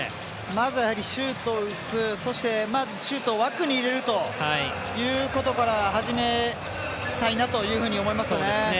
まずシュートを打つシュートを枠に入れるということから始めたいなと思いますよね。